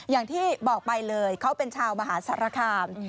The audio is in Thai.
อย่างที่บอกไปเลยเขาเป็นชาวมหาสารคาม